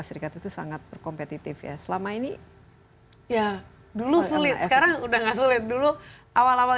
serikat itu sangat berkompetitif ya selama ini ya dulu sulit sekarang udah nggak sulit dulu awal awal